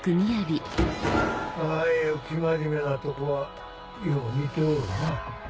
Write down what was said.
ああいう生真面目なとこはよう似ておるな。